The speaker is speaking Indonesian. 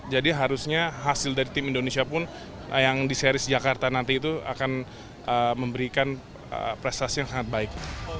jadi harusnya hasil dari tim indonesia pun yang di seri jakarta nanti itu akan memberikan prestasi yang sangat baik